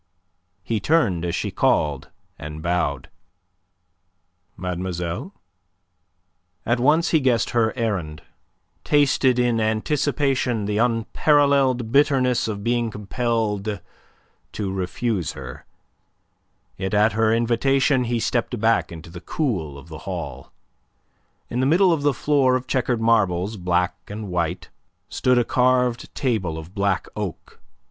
He turned as she called, and bowed. "Mademoiselle?" At once he guessed her errand, tasted in anticipation the unparalleled bitterness of being compelled to refuse her. Yet at her invitation he stepped back into the cool of the hall. In the middle of the floor of chequered marbles, black and white, stood a carved table of black oak.